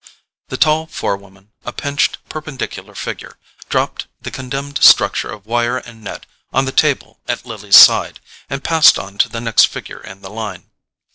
The tall forewoman, a pinched perpendicular figure, dropped the condemned structure of wire and net on the table at Lily's side, and passed on to the next figure in the line.